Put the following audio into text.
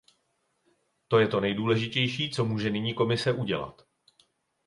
To je to nejdůležitější, co může nyní Komise udělat.